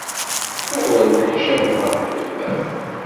Awer nneḥcamen ɣef ddemma-w.